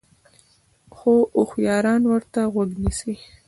خو هوشیاران ورته غوږ نیسي.